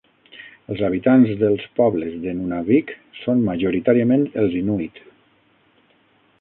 Els habitants dels pobles de Nunavik són majoritàriament els inuit.